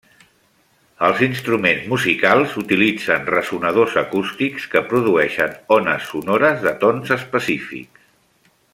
Els instruments musicals utilitzen ressonadors acústics que produeixen ones sonores de tons específics.